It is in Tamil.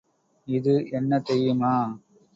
இது என்ன தெரியுமா?